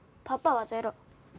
パパはゼロ。